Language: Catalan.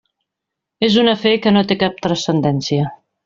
És un afer que no té cap transcendència.